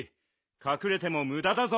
かくれてもむだだぞ。